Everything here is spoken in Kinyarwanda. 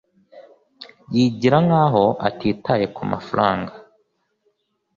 yigira nkaho atitaye kumafaranga